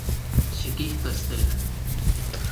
Xikijto, Estela.